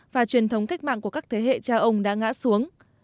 và truyền thống cách mạng của các thế hệ cha ông đã ngã xuống